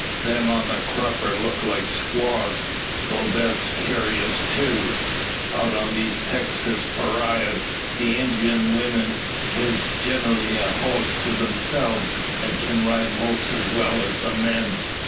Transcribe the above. Them on the krupper look like squaws; though that's kewrous too. Out on these Texas parayras the Injun weemen hez generally a hoss to theirselves, an' kin ride 'most as well as the men.